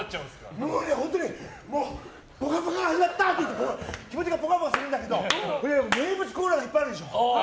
本当に、「ぽかぽか」見ると気持ちがぽかぽかするんだけど名物コーナーがいっぱいあるでしょ。